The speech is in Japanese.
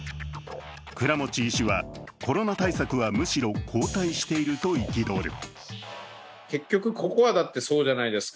倉持医師は、コロナ対策はむしろ後退していると憤る。